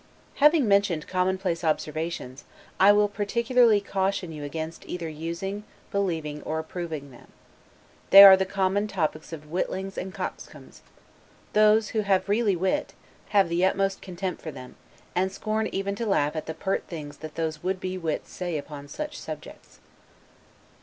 Having mentioned commonplace observations, I will particularly caution you against either using, believing, or approving them. They are the common topics of witlings and coxcombs; those, who really have wit, have the utmost contempt for them, and scorn even to laugh at the pert things that those would be wits say upon such subjects.